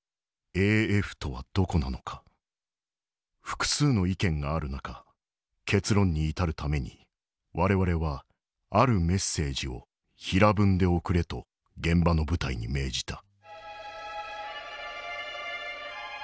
「複数の意見がある中結論に至るために我々はあるメッセージを平文で送れと現場の部隊に命じた」。